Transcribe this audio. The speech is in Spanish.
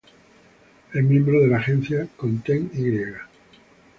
Es miembro de la agencia "Content Y".